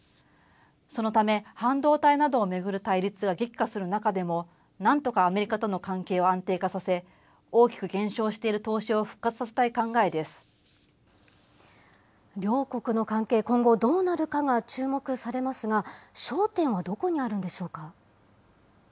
そのため、半導体などを巡る対立が激化する中でも、なんとかアメリカとの関係を安定化させ、大きく減少している投資を復活させた両国の関係、今後どうなるかが注目されますが、焦点はどこにあるんでしょうか。